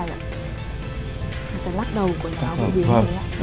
chúng ta lắc đầu quần áo của bình hưng đấy ạ